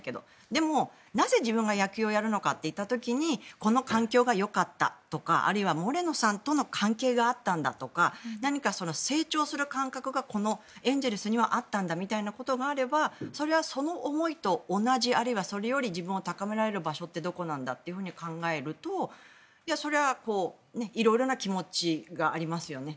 でもなぜ自分が野球をやるのかといった時にこの環境がよかったとかあるいはモレノさんとの関係があったんだとか何か、成長する感覚がこのエンゼルスにあったんだみたいなことがあればそれはその思いと同じあるいはそれより自分を高められる場所ってどこなんだと考えるとそれは色々な気持ちがありますよね。